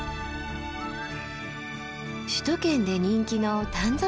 首都圏で人気の丹沢山。